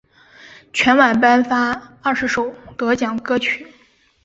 全晚颁发二十首得奖歌曲。